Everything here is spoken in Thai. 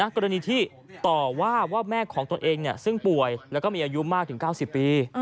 กรณีที่ต่อว่าว่าแม่ของตนเองซึ่งป่วยแล้วก็มีอายุมากถึง๙๐ปี